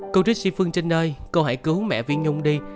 cô trích sĩ phương trinh ơi cô hãy cứu mẹ phi nhung đi